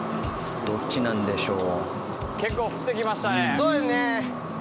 どっちなんでしょう？